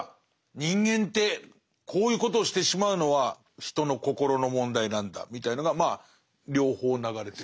人間ってこういうことをしてしまうのは人の心の問題なんだみたいのがまあ両方流れてる。